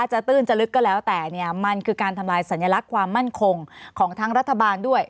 ตื้นจะลึกก็แล้วแต่เนี่ยมันคือการทำลายสัญลักษณ์ความมั่นคงของทั้งรัฐบาลด้วย